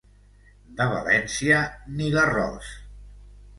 De València, ni l'arròs.